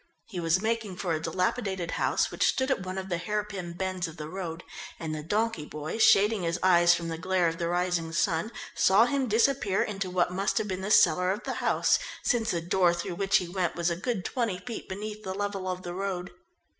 He was making for a dilapidated house which stood at one of the hairpin bends of the road, and the donkey boy, shading his eyes from the glare of the rising sun, saw him disappear into what must have been the cellar of the house, since the door through which he went was a good twenty feet beneath the level of the road.